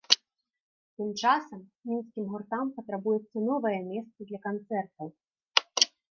Тым часам мінскім гуртам патрабуецца новае месца для канцэртаў.